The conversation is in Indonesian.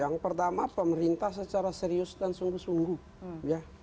yang pertama pemerintah secara serius dan sungguh sungguh ya